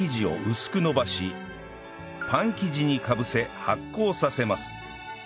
薄く延ばしパン生地にかぶせ発酵させます